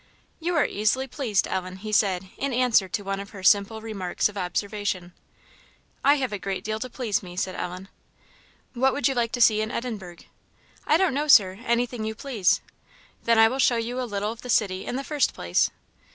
"You are easily pleased, Ellen," he said, in answer to one of her simple remarks of observation. "I have a great deal to please me," said Ellen. "What would you like to see in Edinburgh?" "I don't know, Sir; anything you please." "Then I will show you a little of the city in the first place."